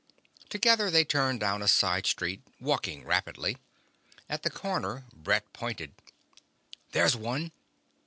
Together they turned down a side street, walking rapidly. At the next corner Brett pointed. "There's one!"